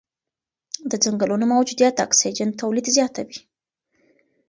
د ځنګلونو موجودیت د اکسیجن تولید زیاتوي.